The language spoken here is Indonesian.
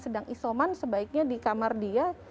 sedang isoman sebaiknya di kamar dia